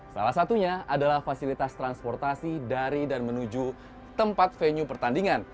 salah satunya adalah fasilitas transportasi dari dan menuju tempat venue pertandingan